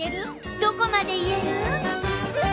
どこまでいえる？